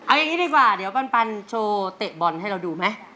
เอาอย่างนี้ดีกว่าเดี๋ยวปันโชว์เตะบอลให้เราดูไหม